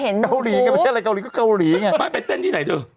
ฮือทูปใช่ไหมก็เต้นที่ไหนจิเขาบอกเลยไปเต้นที่ไหนที่มั้ย